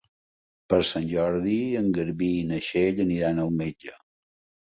Per Sant Jordi en Garbí i na Txell aniran al metge.